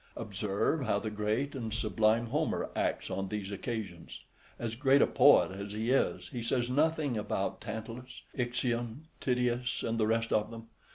Observe how the great and sublime Homer acts on these occasions! as great a poet as he is, he says nothing about Tantalus, Ixion, Tityus, and the rest of them.